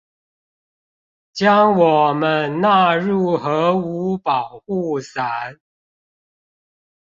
將我們納入核武保護傘